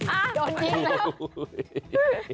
โอ๊ยโอ้โฮโฮโอ้โฮ